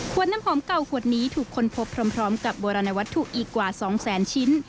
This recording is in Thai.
น้ำหอมเก่าขวดนี้ถูกค้นพบพร้อมกับโบราณวัตถุอีกกว่า๒แสนชิ้น